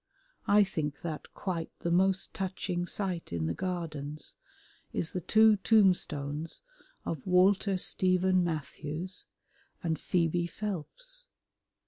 I think that quite the most touching sight in the Gardens is the two tombstones of Walter Stephen Matthews and Phoebe Phelps.